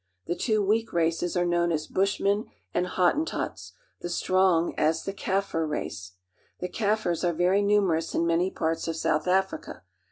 The two weak races are known as Bushmen and Hottentots; the strong one as the Kaffir race. The Kaffirs are very numerous in many parts of South Africa.